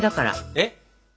えっ？